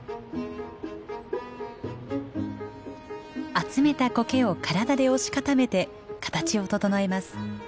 集めたコケを体で押し固めて形を整えます。